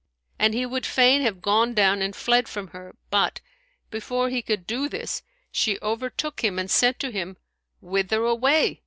And he would fain have gone down and fled from her; but, before he could do this, she overtook him and said to him, "Whither away?"